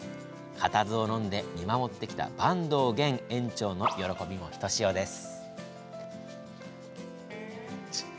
固唾をのんで見守ってきた坂東元園長の喜びもひとしおです。